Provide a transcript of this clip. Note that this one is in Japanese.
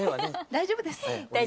大丈夫ですか。